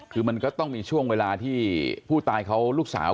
คือมันก็ต้องมีช่วงเวลาที่ผู้ตายเขาลูกสาว